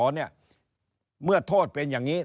เมื่อโทษเป็นอย่างนี้